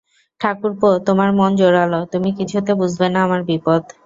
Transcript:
ঠাকুরপো, তোমার মন জোরালো, তুমি কিছুতে বুঝবে না আমার বিপদ।